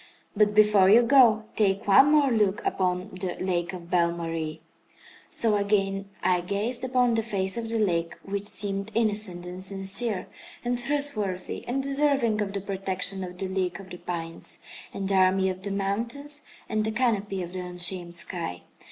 But before you go, take one more look upon the Lake of Belle Marie!" So again I gazed upon the face of the lake, which seemed innocent, and sincere, and trustworthy, and deserving of the protection of the league of the pines, and the army of the mountains, and the canopy of the unshamed sky.